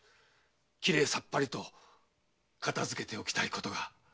きれいさっぱりとかたづけておきたいことが。